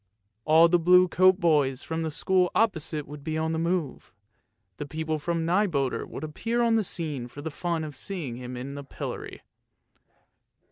All the blue coat boys from the school opposite would be on the move, the people from Nyboder would appear on the scene for the fun of seeing him in the pillory.